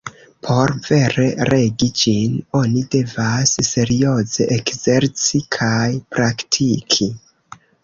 Por vere regi ĝin, oni devas serioze ekzerci kaj praktiki.